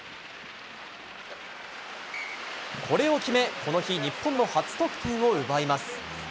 これを決め、この日日本の初得点を奪います。